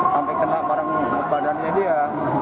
sampai kena barang badannya dia